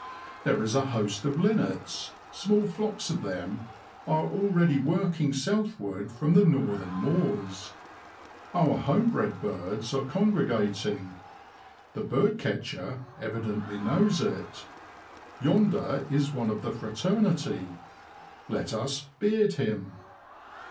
There is a host of linnets ; small flocks of them are already working southward from the northern moors. Our home bred birds are congregating. The bird catcher evidently knows it. Yonder is one of the fra ternity ; let us ' beard ' him.